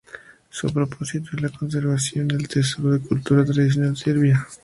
Su propósito es la conservación del tesoro de la cultura tradicional serbia.